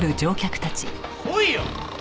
来いよ！